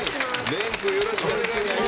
れんくんよろしくお願いします。